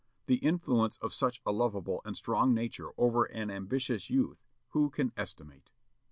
The influence of such a lovable and strong nature over an ambitious youth, who can estimate?